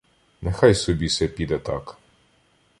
Нехай собі се піде так.